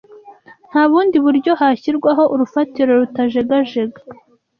Nta bundi buryo hashyirwaho urufatiro rutajegajega